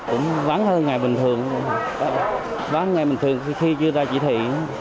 cũng vắng hơn ngày bình thường vắng ngày bình thường khi đưa ra chỉ thị